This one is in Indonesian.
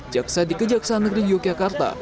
jaksa di kejaksaan negeri yogyakarta